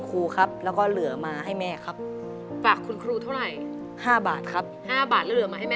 เขาเกาหลังให้พี่มิ้นไหม